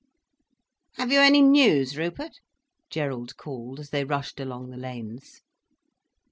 "Have you any news, Rupert?" Gerald called, as they rushed along the lanes.